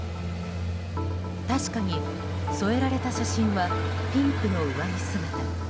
確かに、添えられた写真はピンクの上着姿。